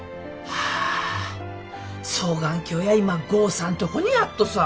ああ双眼鏡や今豪さんとこにあっとさ。